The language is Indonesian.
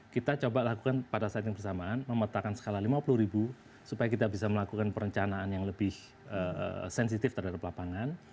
kita coba lakukan pada saat yang bersamaan memetakan skala lima puluh ribu supaya kita bisa melakukan perencanaan yang lebih sensitif terhadap lapangan